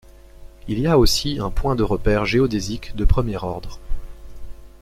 Il y a aussi un point de repère géodésique de premier ordre.